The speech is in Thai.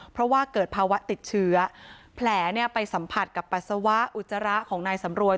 เพราะว่าเกิดภาวะติดเชื้อแผลไปสัมผัสกับปัสสาวะอุจจาระของนายสำรวย